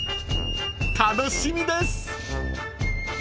［楽しみです］